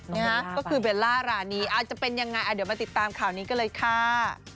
นะฮะก็คือเบลล่ารานีอาจจะเป็นยังไงอ่ะเดี๋ยวมาติดตามข่าวนี้กันเลยค่ะ